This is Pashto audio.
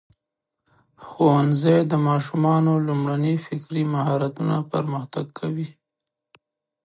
ښوونځی د ماشومانو لومړني فکري مهارتونه پرمختګ کوي.